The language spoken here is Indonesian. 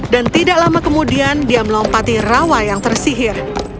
dan tidak lama kemudian dia melompati rawa yang tersihir